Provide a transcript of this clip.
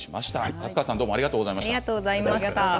粕川さんありがとうございました。